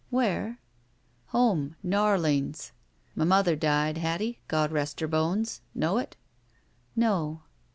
"Where?" "Home. N'Orleans. M' mother died, Hattie, God rest her bones. Know it?" "No."